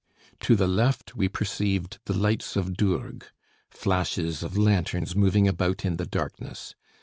To the left we perceived the lights of Dourgues flashes of lanterns moving about in the darkness.